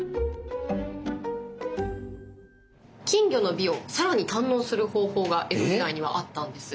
金魚の美を更に堪能する方法が江戸時代にはあったんです。